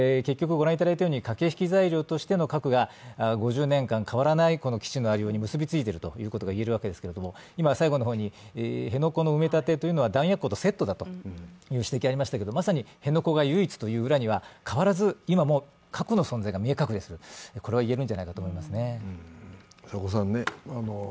駆け引き材料としての核が５０年間変わらない基地のありように結びついているということが言えるわけですけれども、今最後の方に、辺野古の埋め立てというのは弾薬庫とセットだという指摘がありましたけれども、まさに辺野古が唯一というぐらいに変わらず今も核の存在が見え隠れする、これは言えるんじゃないかと思いますね。